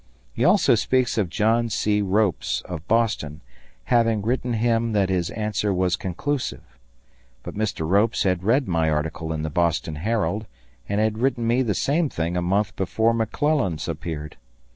He also speaks of John C. Ropes, of Boston, having written him that his answer was conclusive. But Mr. Ropes had read my article in the Boston Herald and had written me the same thing a month before McClellan's appeared.